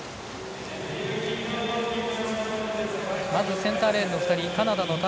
センターレーンの２人カナダ。